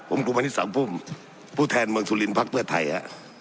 ผมกรุงมานิสังพุ่มผู้แทนเมืองสุลินภักดิ์เพื่อไทยอ่ะ